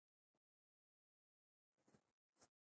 اداري اصول د عدالت د پیاوړتیا ملاتړ کوي.